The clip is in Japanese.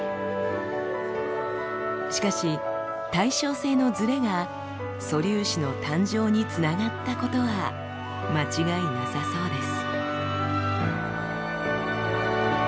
しかし対称性のズレが素粒子の誕生につながったことは間違いなさそうです。